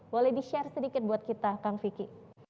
boleh di share sedikit buat kita kang vicky